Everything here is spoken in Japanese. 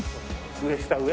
上下上。